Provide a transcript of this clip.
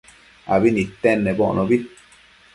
abi nidtenedbocnobi